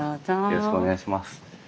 よろしくお願いします。